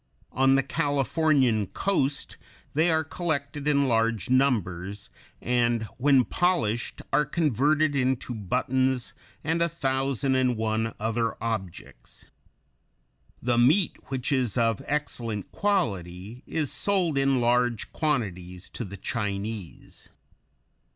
On the Californian coast they are collected in large numbers, and when polished are converted into buttons and a thousand and one other objects. The meat, which is of excellent quality, is sold in large quantities to the Chinese.